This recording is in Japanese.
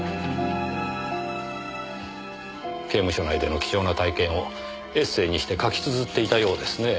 刑務所内での貴重な体験をエッセーにして書き綴っていたようですね。